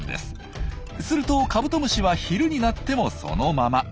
するとカブトムシは昼になってもそのまま。